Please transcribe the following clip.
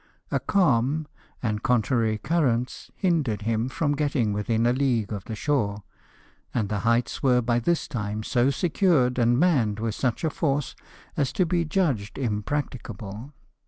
A calm and contrary currents hindered him from getting within a league of the shore ; and the heights were by this time so secured, and manned with such a force, as to be judged impracticable.